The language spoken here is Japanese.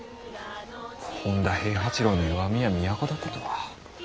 本多平八郎の弱みは都だったとは。